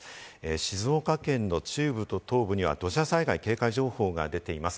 静岡県の中部と東部には土砂災害警戒情報が出ています。